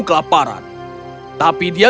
kelaparan tapi dia